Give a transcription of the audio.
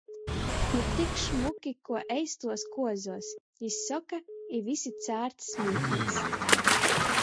"Nu tik šmuki kuo eistuos kuozuos!" jis soka, i visi cārt smītīs.